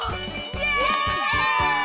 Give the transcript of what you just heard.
イエイ！